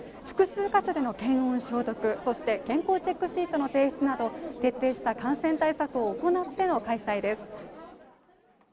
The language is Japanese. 複数箇所での検温消毒、そして健康チェックシートの提出など徹底した感染対策を行っての開催です。